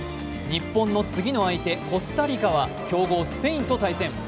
日本の次の相手、コスタリカは強豪スペインと対戦。